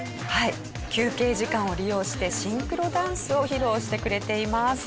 休憩時間を利用してシンクロダンスを披露してくれています。